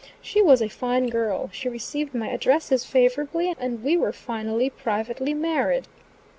She was a fine girl; she received my addresses favorably, and we were finally privately married.